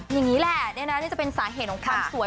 อย่างนี้แหละนี่นะนี่จะเป็นสาเหตุของความสวย